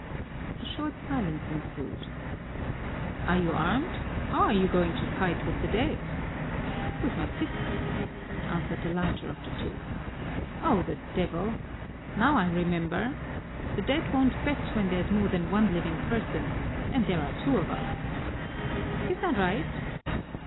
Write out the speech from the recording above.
A short silence ensued. "Are you armed? How are you going to fight with the dead?" "With my fists," answered the larger of the two. "Oh, the devil! Now I remember the dead won't bet when there's more than one living person, and there are two of us." "Is that right?